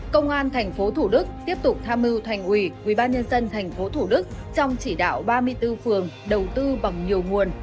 công an tp thủ đức tiếp tục tham mưu thành ủy ubnd tp thủ đức trong chỉ đạo ba mươi bốn phường đầu tư bằng nhiều nguồn